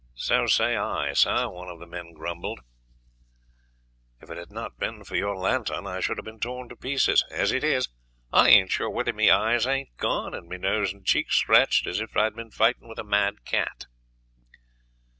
"So say I, sir," one of the men grumbled; "if it had not been for your lantern I should have been torn to pieces. As it is, I aint sure whether my eyes aint gone, and my nose and cheeks are scratched as if I had been fighting with a mad cat."